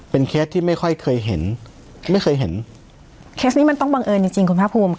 เคสที่ไม่ค่อยเคยเห็นไม่เคยเห็นเคสนี้มันต้องบังเอิญจริงจริงคุณภาคภูมิ